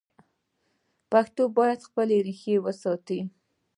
پښتو باید خپلې ریښې وساتي.